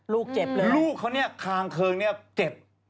ลูกเจ็บเลยค่ะนะฮะลูกเขาขางเคิงเจ็บ